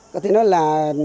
có thể nói là